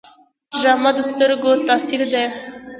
ډرامه د سترګو تاثیر دی